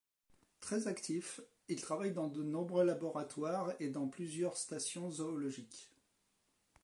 Très actif, il travaille dans de nombreux laboratoires et dans plusieurs stations zoologiques.